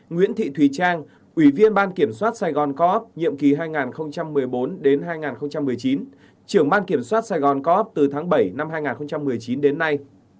nguyễn thị thùy trang ủy viên ban kiểm soát sài gòn coop nhiệm kỳ hai nghìn một mươi bốn hai nghìn một mươi chín trưởng ban kiểm soát sài gòn co op từ tháng bảy năm hai nghìn một mươi chín đến nay